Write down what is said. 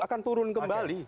akan turun kembali